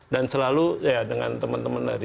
dan selalu dengan teman teman